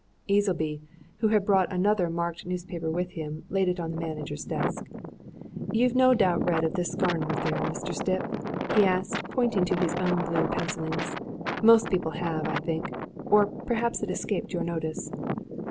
Easleby, who had brought another marked newspaper with him, laid it on the manager's desk. "You've no doubt read of this Scarnham affair, Mr. Stipp?" he asked, pointing to his own blue pencillings. "Most people have, I think. Or perhaps it's escaped your notice."